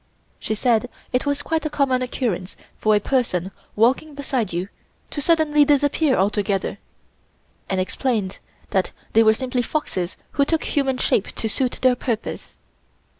She said it was quite a common occurrence for a person walking beside you to suddenly disappear altogether, and explained that they were simply foxes who took human shape to suit their purpose.